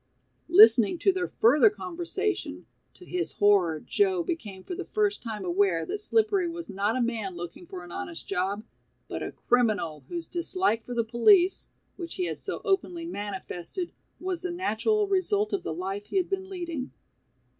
Listening to their further conversation, to his horror Joe became for the first time aware that Slippery was not a man looking for an honest job, but a criminal whose dislike for the police, which he had so openly manifested, was the natural result of the life he had been leading.